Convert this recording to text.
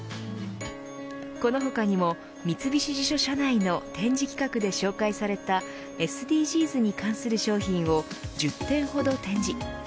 この他にも三菱地所社内の展示企画で紹介されたＳＤＧｓに関する商品を１０点ほど展示。